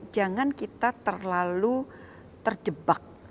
jangan kita terlalu terjebak